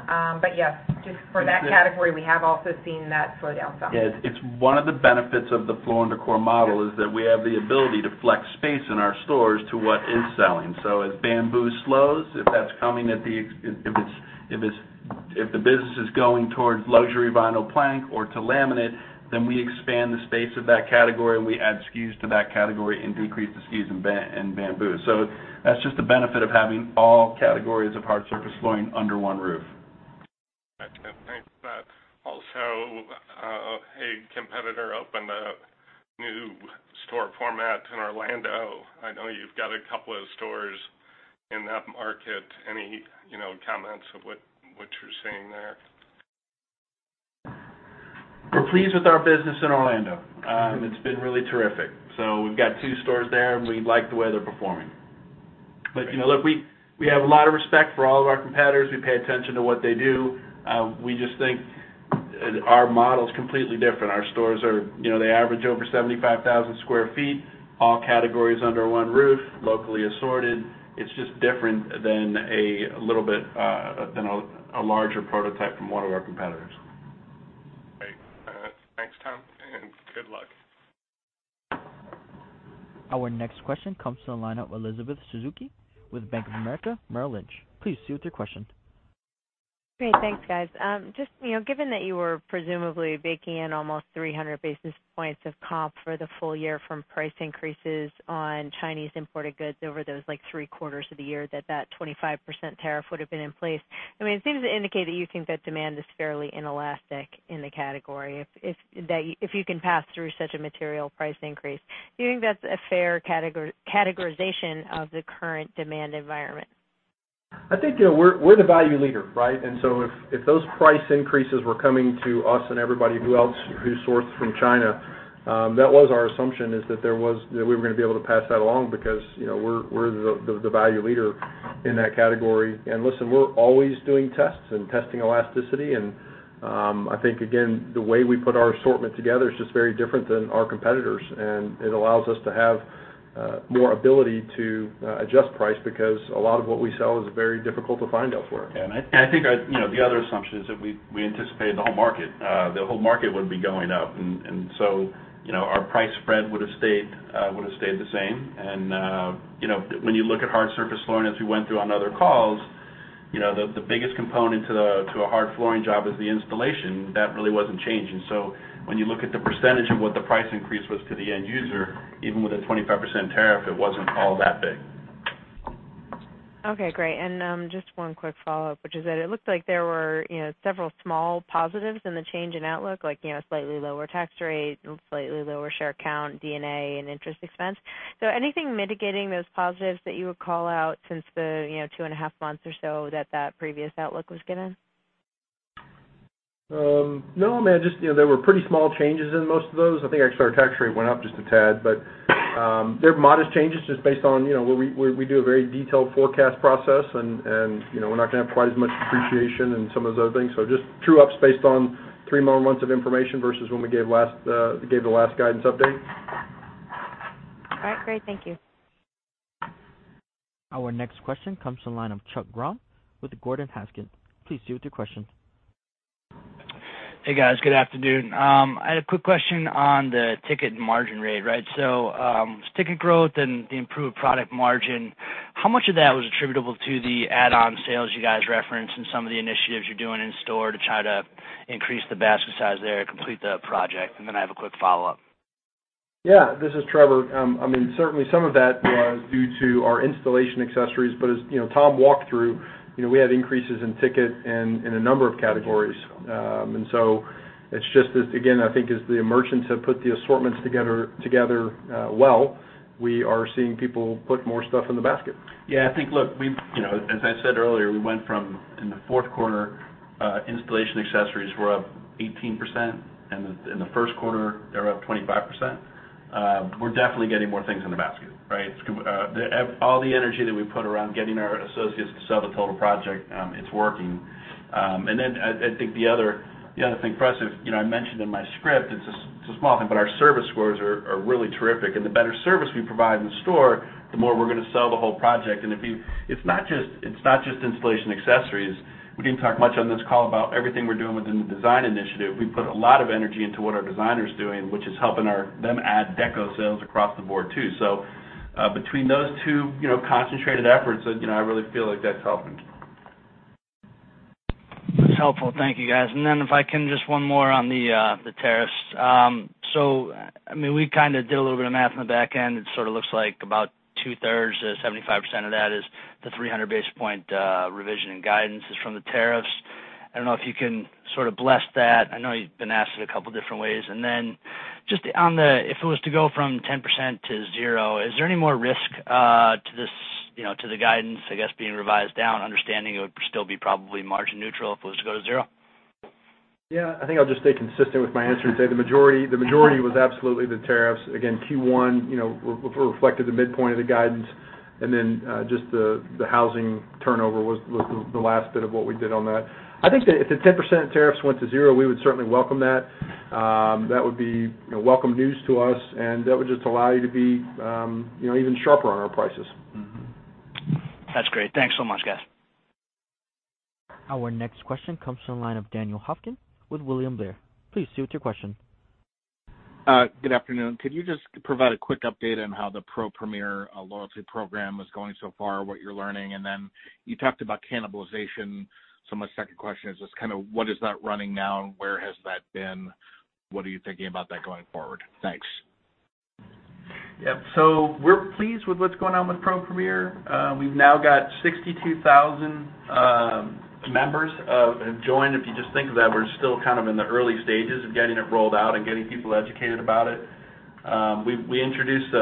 Yes, just for that category, we have also seen that slowdown, Tom. Yes. It's one of the benefits of the Floor & Decor model is that we have the ability to flex space in our stores to what is selling. If bamboo slows, if the business is going towards luxury vinyl plank or to laminate, then we expand the space of that category, and we add SKUs to that category and decrease the SKUs in bamboo. That's just the benefit of having all categories of hard surface flooring under one roof. I can think that also, a competitor opened a new store format in Orlando. I know you've got a couple of stores in that market. Any comments of what you're seeing there? We're pleased with our business in Orlando. It's been really terrific. We've got two stores there, and we like the way they're performing. Look, we have a lot of respect for all of our competitors. We pay attention to what they do. We just think our model's completely different. Our stores they average over 75,000 sq ft, all categories under one roof, locally assorted. It's just different than a larger prototype from one of our competitors. Great. Thanks, Tom, and good luck. Our next question comes from the line of Elizabeth Suzuki with Bank of America Merrill Lynch. Please proceed with your question. Great. Thanks, guys. Just given that you were presumably baking in almost 300 basis points of comp for the full year from price increases on Chinese imported goods over those three quarters of the year that that 25% tariff would've been in place. It seems to indicate that you think that demand is fairly inelastic in the category, if you can pass through such a material price increase. Do you think that's a fair categorization of the current demand environment? I think, we're the value leader, right? If those price increases were coming to us and everybody who else who sourced from China, that was our assumption, is that we were going to be able to pass that along because, we're the value leader in that category. Listen, we're always doing tests and testing elasticity, and I think, again, the way we put our assortment together is just very different than our competitors. It allows us to have more ability to adjust price because a lot of what we sell is very difficult to find elsewhere. I think the other assumption is that we anticipated the whole market would be going up. Our price spread would've stayed the same. When you look at hard surface flooring as we went through on other calls, the biggest component to a hard flooring job is the installation. That really wasn't changing. When you look at the percentage of what the price increase was to the end user, even with a 25% tariff, it wasn't all that big. Okay, great. Just one quick follow-up, which is that it looked like there were several small positives in the change in outlook, like slightly lower tax rate and slightly lower share count, D&A, and interest expense. Anything mitigating those positives that you would call out since the two and a half months or so that that previous outlook was given? No, just there were pretty small changes in most of those. I think actually our tax rate went up just a tad, but they're modest changes just based on, we do a very detailed forecast process, and we're not going to have quite as much appreciation in some of those other things. Just true-ups based on three more months of information versus when we gave the last guidance update. All right. Great. Thank you. Our next question comes from the line of Chuck Grom with Gordon Haskett. Please proceed with your question. Hey, guys. Good afternoon. I had a quick question on the ticket margin rate, right? Ticket growth and the improved product margin, how much of that was attributable to the add-on sales you guys referenced and some of the initiatives you're doing in store to try to increase the basket size there to complete the project? I have a quick follow-up. This is Trevor. Certainly some of that was due to our installation accessories, but as Tom walked through, we had increases in ticket in a number of categories. It's just, again, I think as the merchants have put the assortments together well, we are seeing people put more stuff in the basket. Yeah, I think, look, as I said earlier, we went from, in the fourth quarter, installation accessories were up 18%. In the first quarter, they're up 25%. We're definitely getting more things in the basket, right? All the energy that we put around getting our associates to sell the total project, it's working. I think the other thing for us, I mentioned in my script, it's a small thing, but our service scores are really terrific, and the better service we provide in store, the more we're going to sell the whole project. It's not just installation accessories. We didn't talk much on this call about everything we're doing within the Design Initiative. We put a lot of energy into what our designer's doing, which is helping them add deco sales across the board too. Between those two concentrated efforts, I really feel like that's helping. That's helpful. Thank you, guys. If I can, just one more on the tariffs. We did a little bit of math on the back end. It looks like about two-thirds, 75% of that is the 300 basis point revision and guidance is from the tariffs. I don't know if you can bless that. I know you've been asked it a couple of different ways. Just on the, if it was to go from 10% to zero, is there any more risk to the guidance, I guess, being revised down, understanding it would still be probably margin neutral if it was to go to zero? Yeah, I think I'll just stay consistent with my answer and say the majority was absolutely the tariffs. Again, Q1 reflected the midpoint of the guidance and then just the housing turnover was the last bit of what we did on that. I think that if the 10% tariffs went to zero, we would certainly welcome that. That would be welcome news to us, and that would just allow you to be even sharper on our prices. That's great. Thanks so much, guys. Our next question comes from the line of Daniel Hofkin with William Blair. Please proceed with your question. Good afternoon. Could you just provide a quick update on how the PRO Premier loyalty program is going so far, what you're learning? You talked about cannibalization so much. Second question is just what is that running now and where has that been? What are you thinking about that going forward? Thanks. We're pleased with what's going on with PRO Premier. We've now got 62,000 members joined. If you just think of that, we're still in the early stages of getting it rolled out and getting people educated about it. We introduced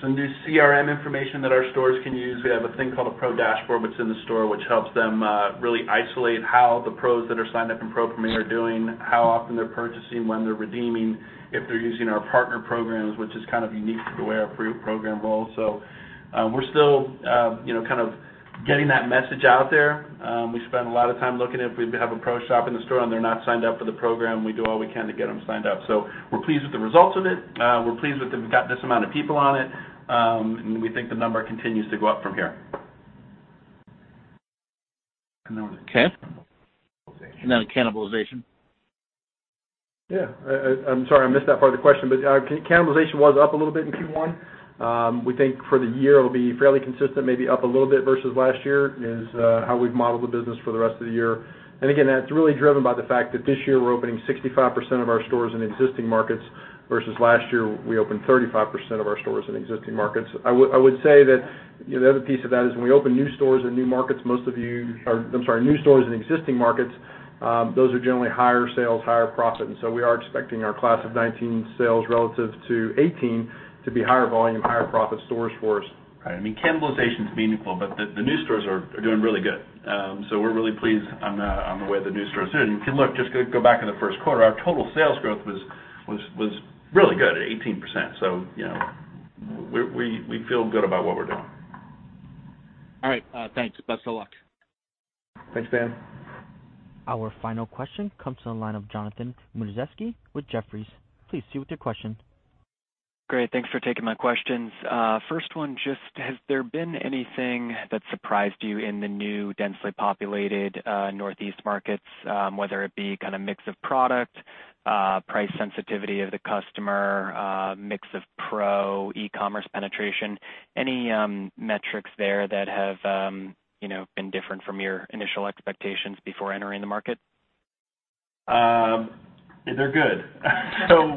some new CRM information that our stores can use. We have a thing called a Pro dashboard that's in the store, which helps them really isolate how the Pros that are signed up in PRO Premier are doing, how often they're purchasing, when they're redeeming, if they're using our partner programs, which is kind of unique to the way our program rolls. We're still getting that message out there. We spend a lot of time looking if we have a Pro shop in the store and they're not signed up for the program, we do all we can to get them signed up. We're pleased with the results of it. We're pleased that we've got this amount of people on it. We think the number continues to go up from here. The cannibalization. I'm sorry, I missed that part of the question, cannibalization was up a little bit in Q1. We think for the year it'll be fairly consistent, maybe up a little bit versus last year is how we've modeled the business for the rest of the year. Again, that's really driven by the fact that this year we're opening 65% of our stores in existing markets versus last year, we opened 35% of our stores in existing markets. I would say that the other piece of that is when we open new stores in existing markets, those are generally higher sales, higher profit. We are expecting our class of 2019 sales relative to 2018 to be higher volume, higher profit stores for us. Right. I mean, cannibalization's meaningful. The new stores are doing really good. We're really pleased on the way the new stores are doing. If you look, just go back in the first quarter, our total sales growth was really good at 18%. We feel good about what we're doing. All right. Thanks. Best of luck. Thanks, Dan. Our final question comes from the line of Jonathan Matuszewski with Jefferies. Please proceed with your question. Great. Thanks for taking my questions. First one, just has there been anything that surprised you in the new densely populated Northeast markets, whether it be mix of product, price sensitivity of the customer, mix of Pro, e-commerce penetration? Any metrics there that have been different from your initial expectations before entering the market? They're good.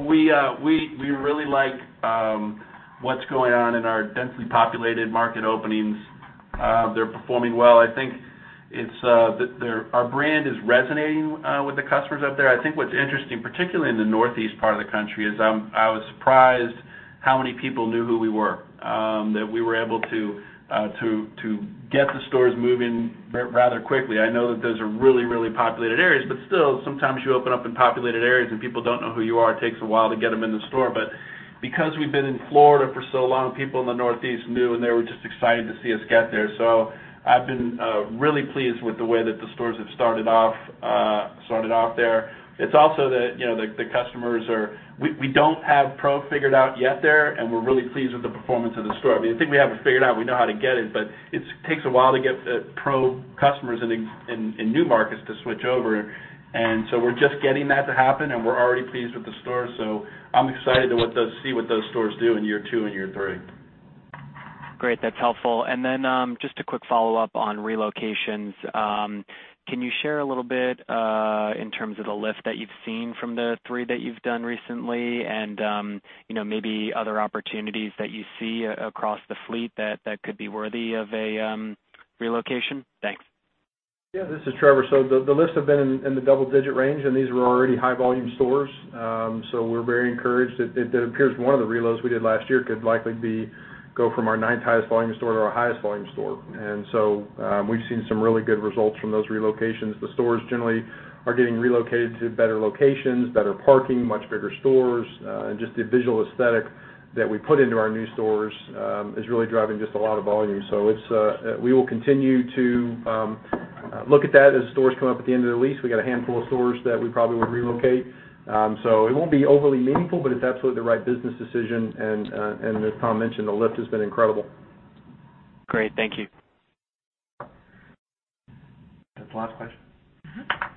We really like what's going on in our densely populated market openings. They're performing well. I think our brand is resonating with the customers up there. I think what's interesting, particularly in the Northeast part of the country, is I was surprised how many people knew who we were, that we were able to get the stores moving rather quickly. I know that those are really populated areas, still, sometimes you open up in populated areas and people don't know who you are. It takes a while to get them in the store. Because we've been in Florida for so long, people in the Northeast knew, they were just excited to see us get there. I've been really pleased with the way that the stores have started off there. We don't have Pro figured out yet there, we're really pleased with the performance of the store. I mean, I think we have it figured out. We know how to get it takes a while to get the Pro customers in new markets to switch over. We're just getting that to happen, we're already pleased with the stores. I'm excited to see what those stores do in year two and year three. Great. That's helpful. Just a quick follow-up on relocations. Can you share a little bit in terms of the lift that you've seen from the three that you've done recently and maybe other opportunities that you see across the fleet that could be worthy of a relocation? Thanks. Yeah, this is Trevor. The lifts have been in the double-digit range, and these were already high-volume stores. We're very encouraged that it appears one of the reloads we did last year could likely go from our ninth highest volume store to our highest volume store. We've seen some really good results from those relocations. The stores generally are getting relocated to better locations, better parking, much bigger stores. Just the visual aesthetic that we put into our new stores is really driving just a lot of volume. We will continue to look at that as stores come up at the end of their lease. We got a handful of stores that we probably would relocate. It won't be overly meaningful, but it's absolutely the right business decision. As Tom mentioned, the lift has been incredible. Great. Thank you. That's the last question.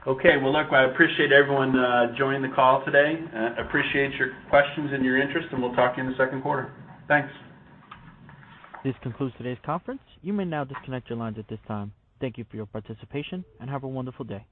Okay. Well, look, I appreciate everyone joining the call today. Appreciate your questions and your interest, we'll talk to you in the second quarter. Thanks. This concludes today's conference. You may now disconnect your lines at this time. Thank you for your participation and have a wonderful day.